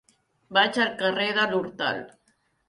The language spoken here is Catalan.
Vaig al carrer de l'Hortal.